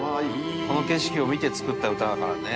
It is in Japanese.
この景色を見て作った歌だからね。